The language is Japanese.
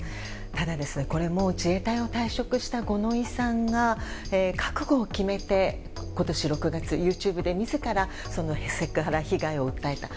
ただ、これも自衛隊を退職した五ノ井さんが覚悟を決めて今年６月にＹｏｕＴｕｂｅで自らそのセクハラ被害を訴えた。